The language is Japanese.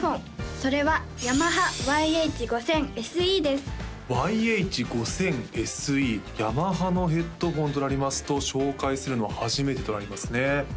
それはヤマハＹＨ−５０００ＳＥですＹＨ−５０００ＳＥヤマハのヘッドフォンとなりますと紹介するのは初めてとなりますね